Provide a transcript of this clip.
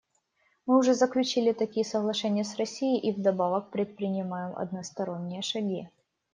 Мы уже заключили такие соглашения с Россией и вдобавок предпринимаем односторонние шаги.